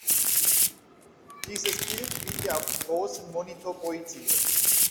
Dieses Bild bitte auf den großen Monitor projizieren.